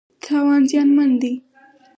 تاوان زیانمن دی.